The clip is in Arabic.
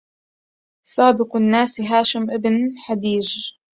سابق الناس هاشم ابن حديج